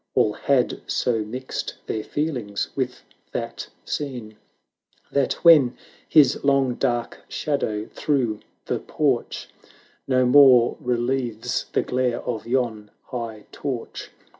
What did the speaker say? All had so mixed their feelings with that scene, That when his long dark shadow through the porch No more relieves the glare of yon high torch.